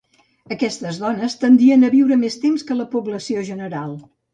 Aquestes dones tendien a viure més temps que la població general.